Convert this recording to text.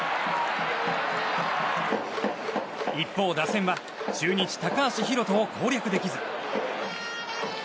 一方、打線は中日、高橋宏斗を攻略できず。